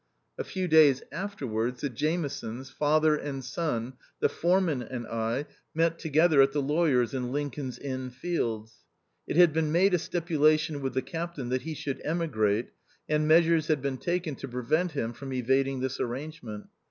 A few days afterwards, the Jame sons, father and son, the foreman and I met together at the lawyer's in Lincoln's Inn Fields. It had been made a stipulation with the captain, that he should emigrate, and measures had been taken tu prevent him from evading this arrangement.